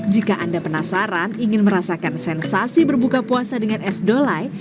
jika anda penasaran ingin merasakan sensasi berbuka puasa dengan es dolai